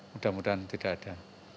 mudah mudahan tidak ada